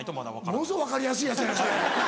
ものすごい分かりやすいやつやなそれ。